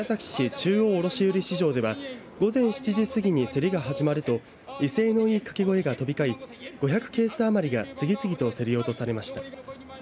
中央卸売市場では午前７時過ぎに競りが始まると威勢のいいかけ声が飛び交い５００ケース余りが次々と競り落とされました。